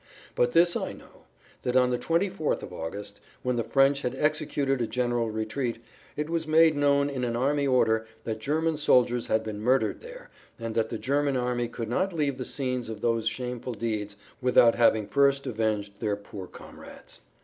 But this I know, that on the 24th of August when the French had executed a general retreat, it was made known in an army order that German soldiers had been murdered there and that the German army could not leave the scenes of those shameful deeds without having first avenged their poor comrades.